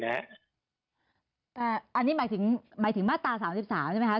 อันนี้หมายถึงมาตรา๓๓เลยแล้วครับ